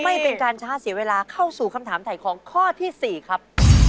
ไม่เป็นการช้าเสียเวลาเข้าสู่คำถามถ่ายของข้อที่๔ครับ